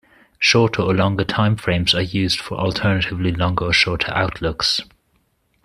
Shorter or longer timeframes are used for alternately shorter or longer outlooks.